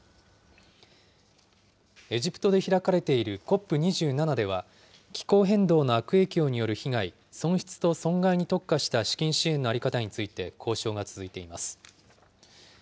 エジプトで開かれているＣＯＰ２７では、気候変動の悪影響による被害、損失と損害に特化した資金支援の在り方について交渉が続いています。